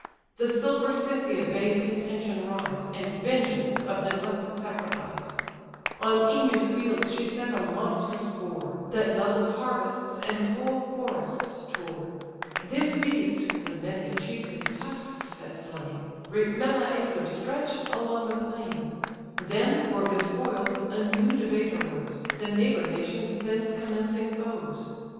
The silver Cynthia bade contention rise, In vengeance of neglected sacrifice; On Œneus fields she sent a monstrous boar, That levell'd harvests, and whole forests tore: This beast (when many a chief his tusks had slain) Great Meleager stretch'd along the plain, Then, for his spoils, a new debate arose, The neighbour nations thence commencing foes.